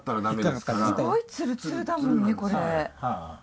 すごいツルツルだもんねこれ。